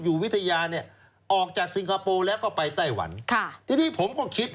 ยังไงครับ